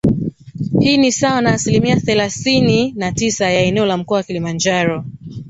Hii ni sawa na asilimia thelasini na tisa ya eneo la Mkoa wa Kilimanjaro